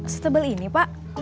setebel ini pak